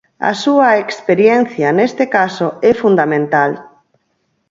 A súa experiencia, neste caso, é fundamental.